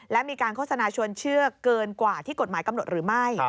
และมีการโฆษณาชวนเชื่อเกินกว่าที่กฎหมายกำหนดหรือไม่